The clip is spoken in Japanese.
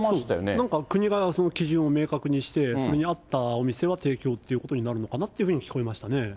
なんか国が基準を明確にして、それに合ったお店は提供ということになるのかなというふうに聞こ